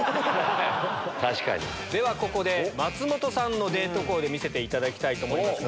では松本さんのデートコーデ見せていただきたいと思います。